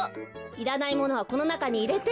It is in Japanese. いらないものはこのなかにいれて。